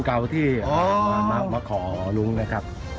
การมาขอลุงนะครับ